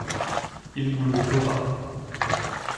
«Il nous le paiera.